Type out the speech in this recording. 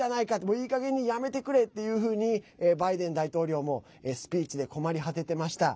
いいかげんにやめてくれっていうふうにバイデン大統領もスピーチで困り果ててました。